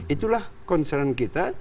itulah concern kita